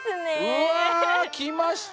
うわきました。